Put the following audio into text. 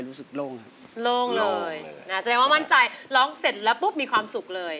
ร้องเสร็จแล้วปุ๊บมีความสุขเลย